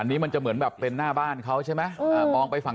อันนี้มันจะเหมือนหลังหน้าบ้านเขาใช่มั้ย